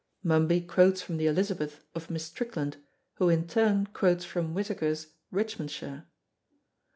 Mumby quotes from the Elizabeth of Miss Strickland, who in turn quotes from Whittaker's Richmondshire.